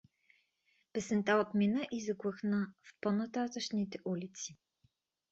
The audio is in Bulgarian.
Песента отмина и заглъхна в по-нататъшните улици.